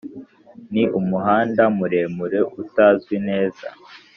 ni umuhanda muremure utazwi neza.